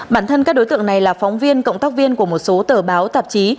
bản thân các đối tượng này là phóng viên cộng tác viên của một số tờ báo tạp chí